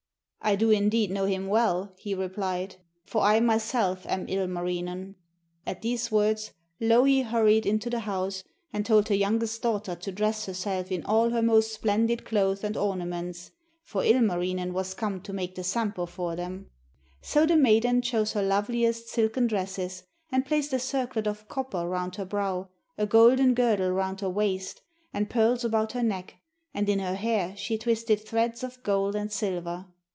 'I do indeed know him well,' he replied, 'for I myself am Ilmarinen.' At these words Louhi hurried into the house and told her youngest daughter to dress herself in all her most splendid clothes and ornaments, for Ilmarinen was come to make the Sampo for them. So the maiden chose her loveliest silken dresses, and placed a circlet of copper round her brow, a golden girdle round her waist, and pearls about her neck, and in her hair she twisted threads of gold and silver.